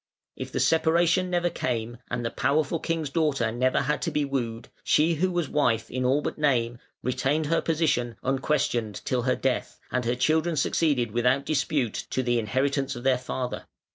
If the separation never came, and the powerful king's daughter never had to be wooed, she who was wife in all but name, retained her position unquestioned till her death, and her children succeeded without dispute to the inheritance of their father.